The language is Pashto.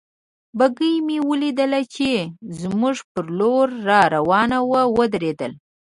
بګۍ مې ولیدل چې زموږ پر لور را روانه وه، ودرېدل.